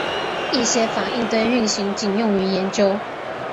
一些反应堆运行仅用于研究。